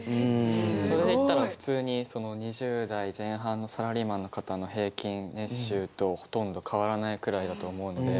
それでいったら普通に２０代前半のサラリーマンの方の平均年収とほとんど変わらないくらいだと思うので。